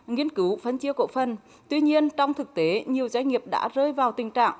nghiên cứu phân chia cổ phân tuy nhiên trong thực tế nhiều doanh nghiệp đã rơi vào tình trạng